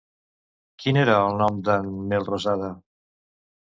Quin era el nom d'en Melrosada?